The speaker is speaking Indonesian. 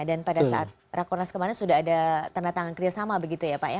dan pada saat rapat koordinasi kemarin sudah ada tanda tangan kerjasama begitu ya pak ya